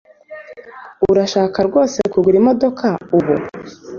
Urashaka rwose kugura imodoka ubu?